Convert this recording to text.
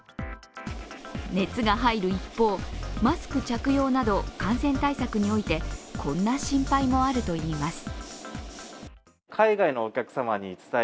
熱が入る一方、マスク着用など感染対策においてこんな心配もあるといいます。